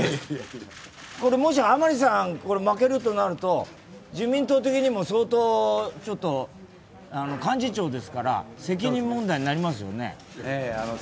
もし甘利さん負けるとなると自民党的にも相当、幹事長ですから責任問題になりますよね？